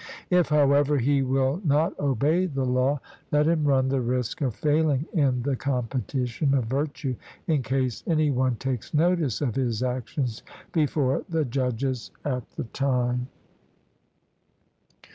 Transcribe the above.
If, however, he will not obey the law, let him run the risk of failing in the competition of virtue, in case any one takes notice of his actions before the judges at the time.